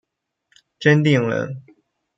真定人。